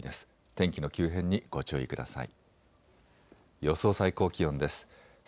天気の急変にご注意ください。